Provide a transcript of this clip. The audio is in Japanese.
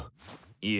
いえ！